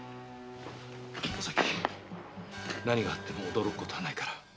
おさき何があっても驚くことはないから。